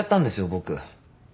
僕。